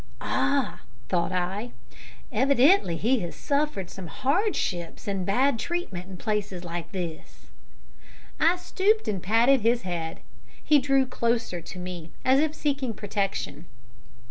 "Ah!" thought I, "evidently he has suffered hardships and bad treatment in places like this." I stooped and patted his head. He drew closer to me, as if seeking protection.